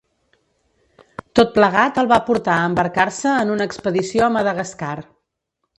Tot plegat el va portar a embarcar-se en una expedició a Madagascar.